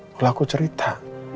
lalu aku cerita